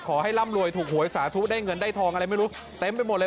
ร่ำรวยถูกหวยสาธุได้เงินได้ทองอะไรไม่รู้เต็มไปหมดเลย